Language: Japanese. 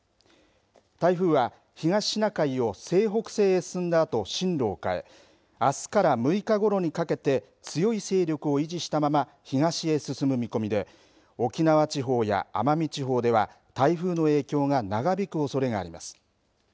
台風は東シナ海を西北西へ進んだあと、進路を変えあすから６日ごろにかけて強い勢力を維持したまま東へ進む見込みで沖縄地方や奄美地方では台風の影響が長引くおそれがあります。